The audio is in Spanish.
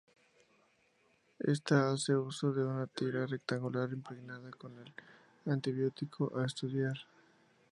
Esta hace uso de una tira rectangular impregnada con el antibiótico a estudiar.